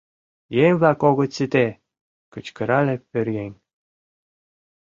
Еҥ-влак огыт сите! — кычкырале пӧръеҥ.